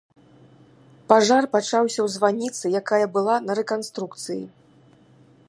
Пажар пачаўся ў званіцы, якая была на рэканструкцыі.